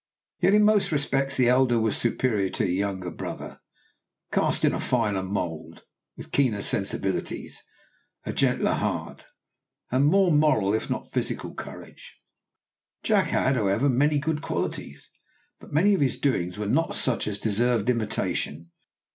Yet in most respects the elder was superior to the younger brother cast in a finer mould, with keener sensibilities, a gentler heart, and more moral if not physical courage. Jack had, however, many good qualities, but many of his doings were not such as deserved imitation.